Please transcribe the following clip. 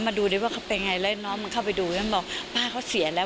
มาดูดิว่าเขาเป็นไงแล้วน้องมันเข้าไปดูแล้วมันบอกป้าเขาเสียแล้ว